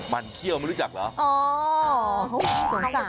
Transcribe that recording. มันเขี้ยวไม่รู้จักเหรอ